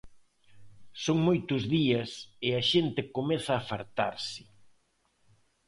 Son moitos días e a xente comeza a fartarse.